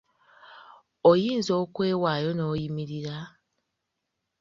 Oyinza okwewaayo n‘oyimirira?